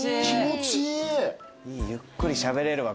ゆっくりしゃべれるわ。